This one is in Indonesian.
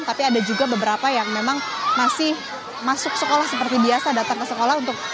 tapi ada juga beberapa yang memang masih masuk sekolah seperti biasa datang ke sekolah untuk